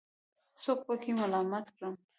څوک پکې ملامت کړم.